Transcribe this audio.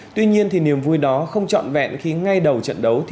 tuy nhiên thì niềm vui đó không trọn vẹn khi ngay đầu trận đấu